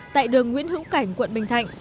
tại đường nguyễn hữu cảnh quận bình thạnh